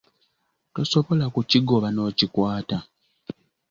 Tosobola kukigoba n’okikwata.